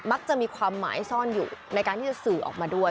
จะมีความหมายซ่อนอยู่ในการที่จะสื่อออกมาด้วย